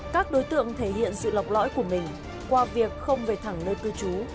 các đối tượng thể hiện sự lọc lõi của mình qua việc không về thẳng nơi cư trú